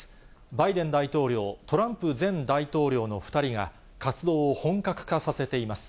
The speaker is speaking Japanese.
バイデン大統領、トランプ前大統領の２人が、活動を本格化させています。